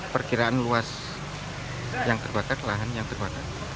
perkiraan luas yang terbakar lahan yang terbakar